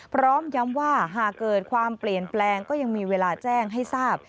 พร้อมย้ำว่าหากเกิดความเปลี่ยนแปลงก็ยังมีเวลาแจ้งให้ทราบ